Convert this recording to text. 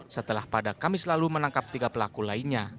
setelah pada kamis lalu menangkap tiga pelaku lainnya